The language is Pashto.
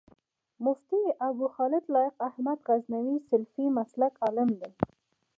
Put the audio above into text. مفتي ابوخالد لائق احمد غزنوي سلفي مسلک عالم دی